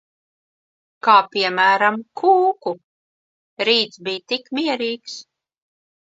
Kā piemēram, kūku. Rīts bij tik mierīgs.